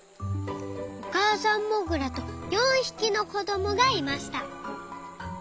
おかあさんモグラと４ひきのこどもがいました。